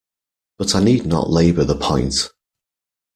But I need not labour the point.